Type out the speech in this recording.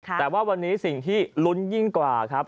แต่ว่าวันนี้สิ่งที่ลุ้นยิ่งกว่าครับ